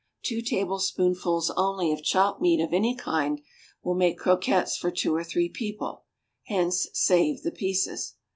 Two tablespoonfuls only of chopped meat of any kind will make croquettes for two or three people; hence, 'save the pieces.'